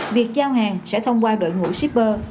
việc giao hàng sẽ thông qua đội ngũ shipper